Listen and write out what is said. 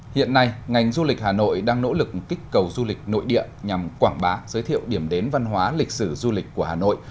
hiện nay ngành du lịch hà nội đang nỗ lực kích cầu du lịch nội địa nhằm quảng bá giới thiệu điểm đến văn hóa lịch sử du lịch của hà nội